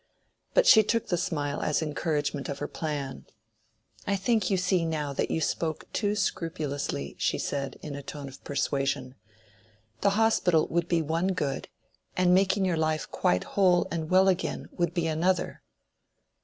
But she took the smile as encouragement of her plan. "I think you see now that you spoke too scrupulously," she said, in a tone of persuasion. "The hospital would be one good; and making your life quite whole and well again would be another."